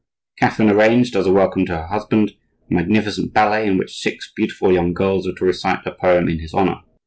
Catherine arranged, as a welcome to her husband, a magnificent ballet, in which six beautiful young girls were to recite a poem in his honor.